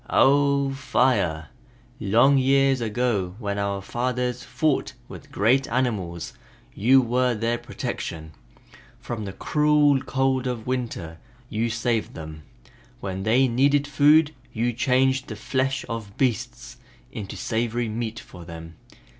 "Oh, Fire! Long years ago when our fathers fought with great animals you were their protection. From the cruel cold of winter, you saved them. When they needed food you changed the flesh of beasts into savory meat for them.